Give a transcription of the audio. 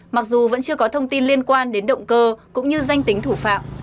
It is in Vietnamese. mặc dù vẫn chưa có thông tin liên quan đến động cơ cũng như danh tính thủ phạm